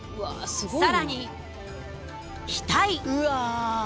さらに、額。